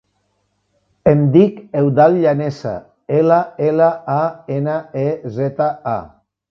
Em dic Eudald Llaneza: ela, ela, a, ena, e, zeta, a.